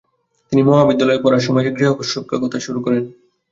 তিনি মহাবিদ্যালয়ে পড়ার সময়ে গৃহশিক্ষকতার শুরু করেন।